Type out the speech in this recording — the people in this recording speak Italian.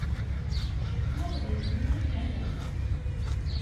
Il capoluogo del comune è Leland.